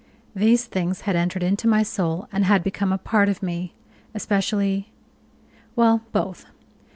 These things had entered into my soul, and had become a part of me especially well, both.